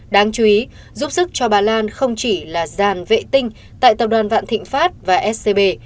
đáng chú ý giúp sức cho bà lan không chỉ là giàn vệ tinh tại tập đoàn vạn thịnh pháp và scb